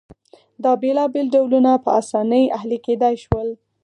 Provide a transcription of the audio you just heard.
دا بېلابېل ډولونه په اسانۍ اهلي کېدای شول